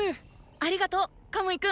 ありがとうカムイくん。